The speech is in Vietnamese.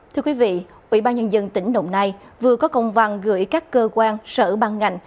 thưa quý vị ủy ban nhân dân tỉnh đồng nai vừa có công văn gửi các cơ quan sở ban ngành